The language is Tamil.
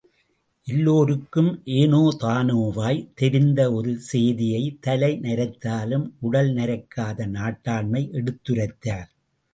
எல்லோருக்கும் ஏனோதானோவாய் தெரிந்த ஒரு சேதியை, தலை நரைத்தாலும் உடல் நரைக்காத நாட்டாண்மை எடுத்துரைத்தார்.